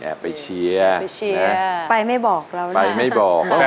แอบไปเชียร์ไปไม่บอกแล้วนี่เขาไม่บอกนะครับ